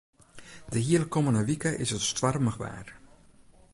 De hiele kommende wike is it stoarmich waar.